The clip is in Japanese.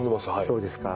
どうですか？